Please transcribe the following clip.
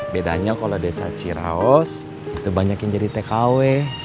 bedanya kalau desa ciraos itu banyak yang jadi tkw